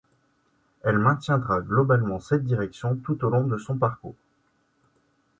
Elle maintiendra globalement cette direction tout au long de son parcours.